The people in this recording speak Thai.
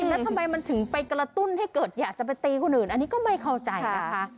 แล้วทำไมมันถึงไปกระตุ้นให้เกิดอยากจะไปตีคนอื่นอันนี้ก็ไม่เข้าใจนะคะ